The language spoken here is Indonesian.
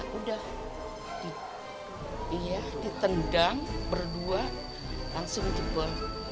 sudah ditendang berdua langsung dibuang